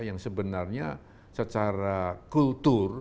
yang sebenarnya secara kultur